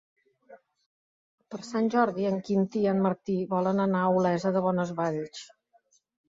Per Sant Jordi en Quintí i en Martí volen anar a Olesa de Bonesvalls.